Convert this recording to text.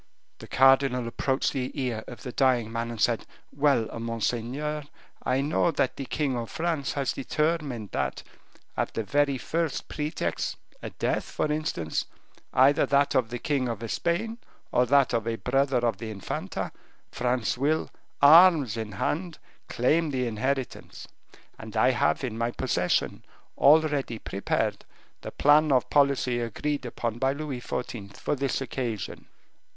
The cardinal approached the ear of the dying man, and said, "Well, monseigneur, I know that the king of France has determined that, at the very first pretext, a death for instance, either that of the king of Spain, or that of a brother of the Infanta, France will, arms in hand, claim the inheritance, and I have in my possession, already prepared, the plan of policy agreed upon by Louis XIV. for this occasion."